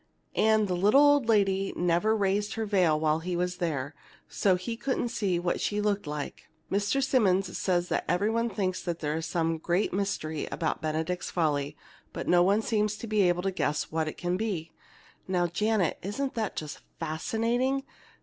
And the little old lady never raised her veil while he was there, so he couldn't see what she looked like. "Mr. Simmonds says every one thinks there is some great mystery about 'Benedict's Folly,' but no one seems to be able to guess what it can be. Now, Janet, isn't that just fascinating?